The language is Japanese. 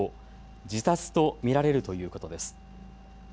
自殺と見られるということです。